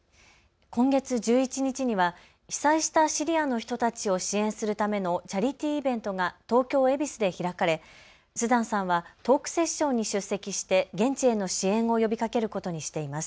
今月１１日には被災したシリアの人たちを支援するためのチャリティーイベントが東京恵比寿で開かれスザンさんはトークセッションに出席して現地への支援を呼びかけることにしています。